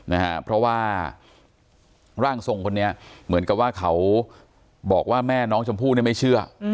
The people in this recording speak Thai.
นะฮะเพราะว่าร่างทรงคนนี้เหมือนกับว่าเขาบอกว่าแม่น้องชมพู่เนี่ยไม่เชื่อ